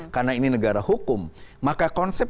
karena ini negara hukum maka konsep